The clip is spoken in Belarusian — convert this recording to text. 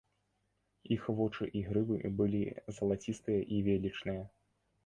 Іх вочы і грывы былі залацістыя і велічныя.